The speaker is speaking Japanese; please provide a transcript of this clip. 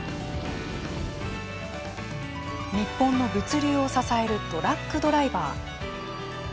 日本の物流を支えるトラックドライバー。